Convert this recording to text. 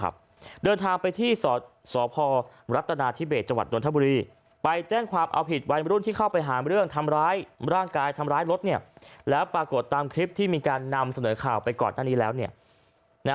เพราะช่วงบ่ายของเมื่อวาน